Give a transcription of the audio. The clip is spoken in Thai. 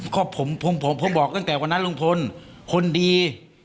ก็ผมผมบอกตั้งแต่วันนั้นลุงพลคนดี